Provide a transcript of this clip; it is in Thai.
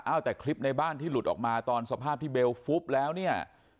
แต่คลิปในบ้านที่หลุดออกมาตอนสภาพที่เบลฟุบแล้วเนี่ย